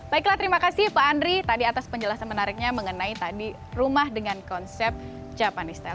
baiklah terima kasih pak andri tadi atas penjelasan menariknya mengenai tadi rumah dengan konsep japanese style